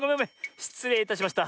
しつれいいたしました。